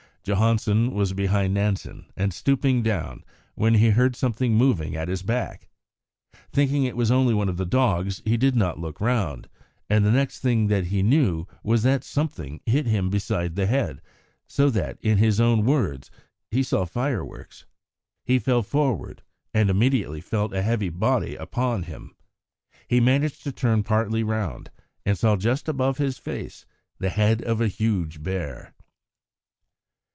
Johansen was behind Nansen, and stooping down, when he heard something moving at his back. Thinking it was only one of the dogs, he did not look round, and the next thing he knew was that something hit him beside the head, so that, in his own words, "he saw fireworks." He fell forward, and immediately felt a heavy body upon him. He managed to turn partly round, and saw just above his face the head of a huge bear.